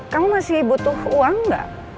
kamu masih butuh uang nggak